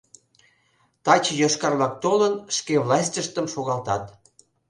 Таче йошкар-влак толын, шке властьыштым шогалтат.